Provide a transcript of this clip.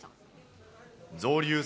造立